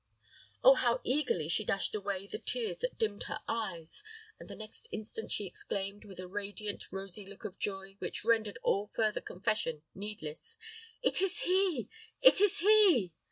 Oh, how eagerly she dashed away the tears that dimmed her eyes; and the next instant she exclaimed, with a radiant, rosy look of joy, which rendered all further confession needless, "It is he it is he!